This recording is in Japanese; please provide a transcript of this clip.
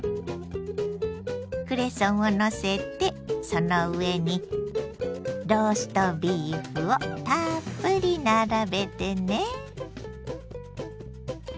クレソンをのせてその上にローストビーフをたっぷり並べてね！